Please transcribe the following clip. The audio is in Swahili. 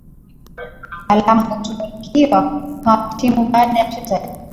alama hutunukiwa kwa timu baada ya mchezo